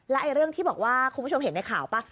แล้วเรื่องที่บอกว่าคุณผู้ชมเห็นในข่าวป่ะ